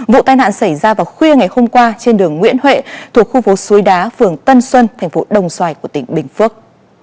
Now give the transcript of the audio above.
vụ tai nạn xảy ra vào khuya ngày hôm qua trên đường nguyễn huệ thuộc khu phố suối đá phường tân xuân thành phố đồng xoài của tỉnh bình phước